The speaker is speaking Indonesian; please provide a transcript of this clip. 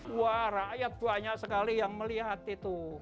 wah rakyat banyak sekali yang melihat itu